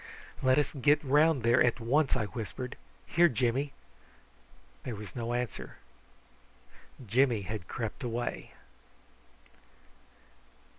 "Let us get round there at once," I whispered, "Here, Jimmy." There was no answer: Jimmy had crept away.